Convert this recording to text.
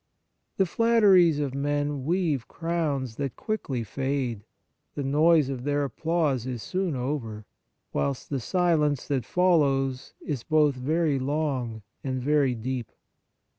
The flatteries of men weave crowns that quickly fade ; the noise of their applause is soon over, whilst the silence that follows is both very long and very deep.